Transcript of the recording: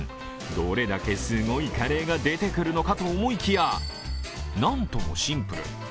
どれだけすごいカレーが出てくるのかと思いきや、何ともシンプル。